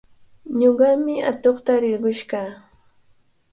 Ñuqami atuqta rirqush kaa.